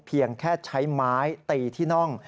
เพียงแค่ใช้ไม้ตีที่น่อง